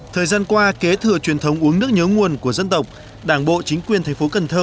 thời gian qua kế thừa truyền thống uống nước nhớ nguồn của dân tộc đảng bộ chính quyền thành phố cần thơ